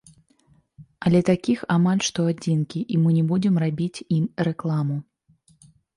Але такіх амаль што адзінкі, і мы не будзем рабіць ім рэкламу.